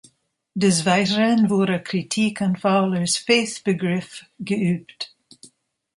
Des Weiteren wurde Kritik an Fowlers faith-Begriff geübt.